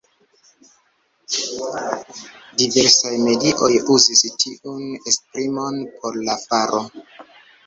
Diversaj medioj uzis tiun esprimon por la faro.